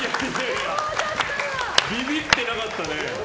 ビビってなかったね。